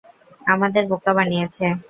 আমাদের বোকা বানিয়েছে!